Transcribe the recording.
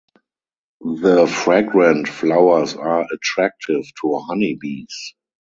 The fragrant flowers are attractive to honey bees.